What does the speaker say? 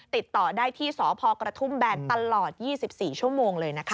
ติดต่อได้ที่สพกระทุ่มแบนตลอด๒๔ชั่วโมงเลยนะคะ